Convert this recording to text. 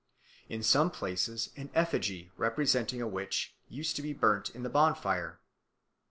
In some places an effigy representing a witch used to be burnt in the bonfire.